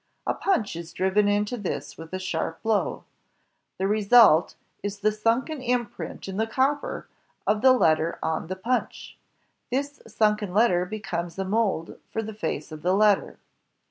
A punch is driven into this with a sharp blow. The result is the sunken imprint in the copper of the letter on the punch. This sunken letter becomes a mold for the face of the letter.